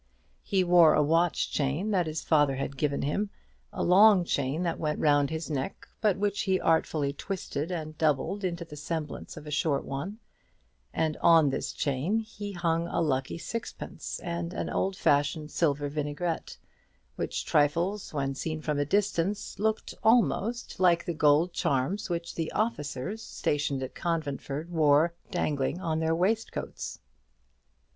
He wore a watch chain that his father had given him, a long chain that went round his neck, but which he artfully twisted and doubled into the semblance of a short one; and on this chain he hung a lucky sixpence and an old fashioned silver vinaigrette; which trifles, when seen from a distance, looked almost like the gold charms which the officers stationed at Conventford wore dangling on their waistcoats.